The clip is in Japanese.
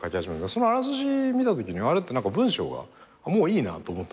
そのあらすじ見たときにあれ？って文章がもういいなと思った。